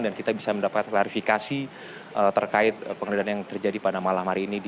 dan kita bisa mendapatkan klarifikasi terkait penggeledahan yang terjadi pada malam hari ini